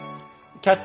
「キャッチ！